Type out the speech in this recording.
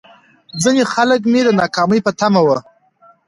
ځيني خلک مې د ناکامۍ په تمه وو.